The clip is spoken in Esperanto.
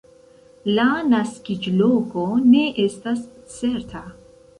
La naskiĝloko ne estas certa.